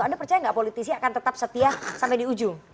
anda percaya nggak politisi akan tetap setia sampai di ujung